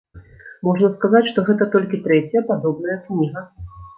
Можна сказаць, што гэта толькі трэцяя падобная кніга.